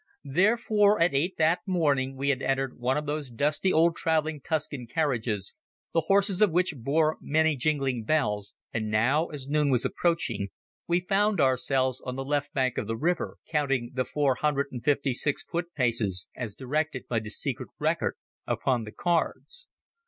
Therefore at eight that morning we had entered one of those dusty old travelling Tuscan carriages, the horses of which bore many jingling bells, and now, as noon was approaching, we found ourselves on the left bank of the river, counting the four hundred and fifty six foot paces as directed by the secret record upon the cards.